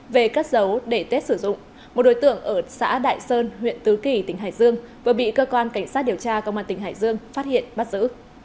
về cất dấu để tết sử dụng một đối tượng ở xã đại sơn huyện tứ kỳ tỉnh hải dương vừa bị cơ quan cảnh sát điều tra công an tỉnh hải dương phát hiện bắt giữ